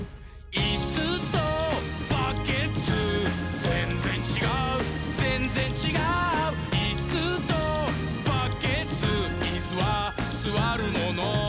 「いっすーとバッケツーぜんぜんちがうぜんぜんちがう」「いっすーとバッケツーイスはすわるもの」